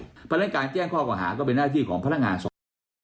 เพราะฉะนั้นการแจ้งข้อกว่าหาก็เป็นหน้าที่ของพนักงานสอบสวน